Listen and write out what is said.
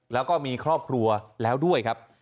แล้วก็มีครอบครัวแล้วด้วยครับ